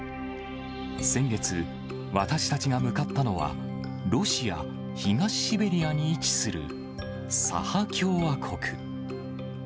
先月、私たちが向かったのは、ロシア・東シベリアに位置するサハ共和国。